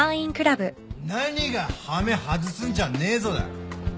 何が「羽目外すんじゃねえぞ」だ。